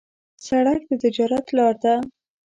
سړک د تجارت لار ده.